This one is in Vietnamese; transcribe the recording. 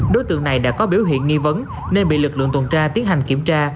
đối tượng này đã có biểu hiện nghi vấn nên bị lực lượng tuần tra tiến hành kiểm tra